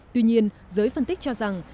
tuy nhiên giới phân tích cho rằng